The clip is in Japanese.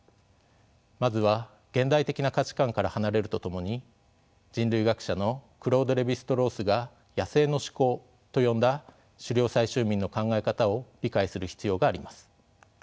まずは現代的な価値観から離れるとともに人類学者のクロード・レヴィ＝ストロースが「野生の思考」と呼んだ狩猟採集民の考え方を理解する必要があります。